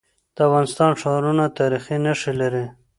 د افغانستان ښارونه تاریخي نښي لري.